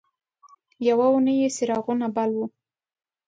یوه اونۍ یې څراغونه بل وو.